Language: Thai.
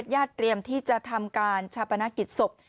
เตรียมที่จะทำการชาปนกิจศพ